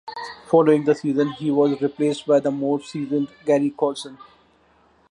Following the season he was replaced by the more seasoned Gary Colson.